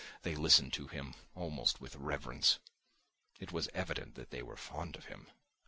They listened to him, almost with reverence. It was evident that they were fond of him.